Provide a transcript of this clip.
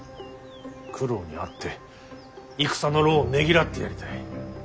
九郎に会って戦の労をねぎらってやりたい。